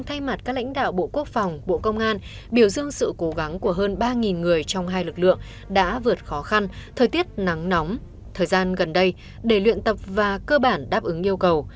thay mặt các lãnh đạo bộ quốc phòng bộ công an biểu dương sự cố gắng của hơn ba người trong hai lực lượng đã vượt khó khăn thời tiết nắng nóng thời gian gần đây để luyện tập và cơ bản đáp ứng yêu cầu